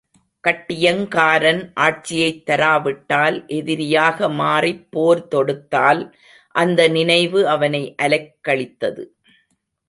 கட்டியங்காரன் ஆட்சியைத் தராவிட்டால், எதிரியாக மாறிப் போர் தொடுத்தால் அந்த நினைவு அவனை அலைக்கழித்தது.